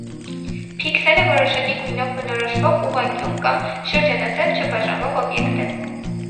Փիքսելը որոշակի գույնով բնորոշվող ուղղանկյուն կամ շրջանաձև չբաժանվող օբյեկտ է։